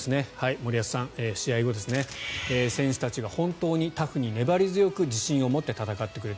森保さん、試合後選手たちが本当にタフに粘り強く自信を持って戦ってくれた。